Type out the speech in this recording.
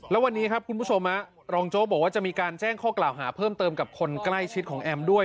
แล้ววันนี้ครับคุณผู้ชมรองโจ๊กบอกว่าจะมีการแจ้งข้อกล่าวหาเพิ่มเติมกับคนใกล้ชิดของแอมด้วย